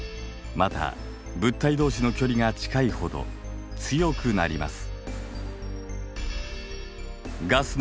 また物体同士の距離が近いほど強くなります。